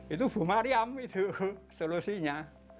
itu bu mariam itu solusinya